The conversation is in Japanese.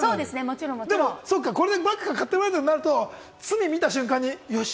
でも、そうかこれでバッグ買ってもらえるとなると、次見た瞬間によし！